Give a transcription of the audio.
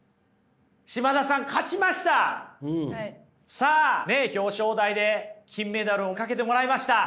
さあ表彰台で金メダルをかけてもらいました。